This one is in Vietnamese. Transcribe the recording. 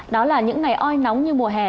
đó là những ngày oi nóng như mùa hè